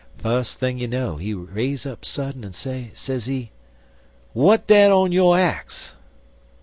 Fus thing you know, he raise up sudden, en say, sezee: "'W'at dat on yo' axe?'